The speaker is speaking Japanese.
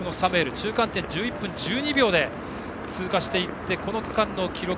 中間点は１１分１２秒で通過していってこの区間の記録